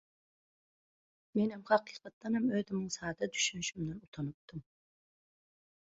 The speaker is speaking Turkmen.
Menem hakykatdanam özümiň sada düşünşimden utanypdym.